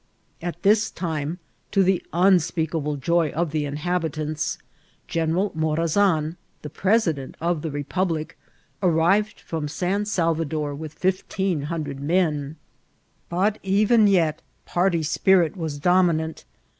At this time, to the unspeakable joy of the inhabi tants. General Morazan, the president oS the republic^ arrived from San Salvador, with fifteen hundred men* tiB tlfCIPBNTB OF TKATSL. But eyen yet party qpirit was dommant.